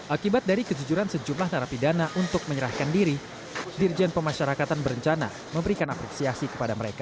akibat dari kejujuran sejumlah narapidana untuk menyerahkan diri dirjen pemasyarakatan berencana memberikan apresiasi kepada mereka